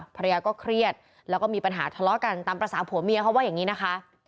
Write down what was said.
ภรรยาก็เครียดแล้วก็มีปัญหาทะเลาะกันตามภาษาผัวเมียเขาว่าอย่างนี้นะคะ